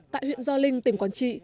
tại huyện gio linh tìm quảng trị